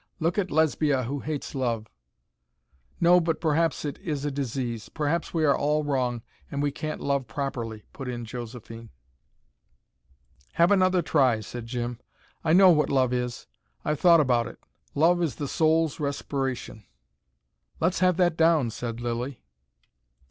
"Look at Lesbia who hates love." "No, but perhaps it is a disease. Perhaps we are all wrong, and we can't love properly," put in Josephine. "Have another try," said Jim, "I know what love is. I've thought about it. Love is the soul's respiration." "Let's have that down," said Lilly.